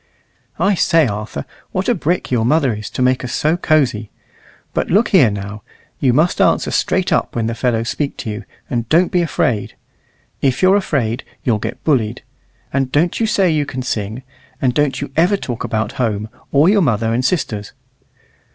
"I say, Arthur, what a brick your mother is to make us so cozy! But look here now; you must answer straight up when the fellows speak to you, and don't be afraid. If you're afraid, you'll get bullied. And don't you say you can sing; and don't you ever talk about home, or your mother and sisters."